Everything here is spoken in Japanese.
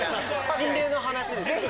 心霊の話ですか？